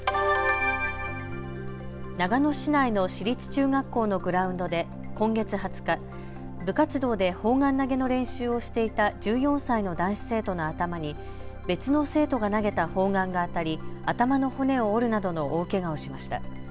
長野市内の市立中学校のグラウンドで今月２０日、部活動で砲丸投げの練習をしていた１４歳の男子生徒の頭に別の生徒が投げた砲丸が当たり頭の骨を折るなどの大けがをしました。